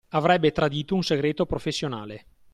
Avrebbe tradito un segreto professionale